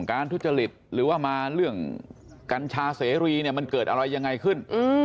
ทุจริตหรือว่ามาเรื่องกัญชาเสรีเนี่ยมันเกิดอะไรยังไงขึ้น